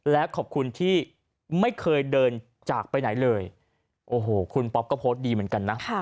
และขอบคุณที่ไม่เคยเดินจากไปไหนเลยโอ้โหคุณป๊อปก็โพสต์ดีเหมือนกันนะ